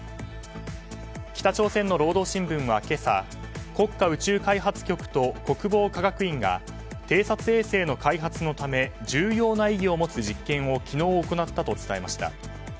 北朝鮮の労働新聞は今朝国家宇宙開発局と国防科学院が偵察衛星の開発のため重要な意義を持つ実験を昨日行ったと伝えました。